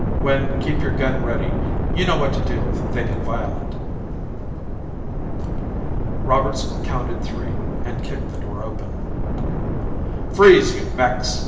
"Wynn, keep your gun ready. You know what to do if they get violent." Roberts counted three and kicked the door open. "Freeze you mechs!